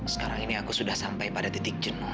sekarang ini aku sudah sampai pada titik jenuh